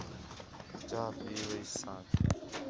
چاہ پِیؤیس اسانک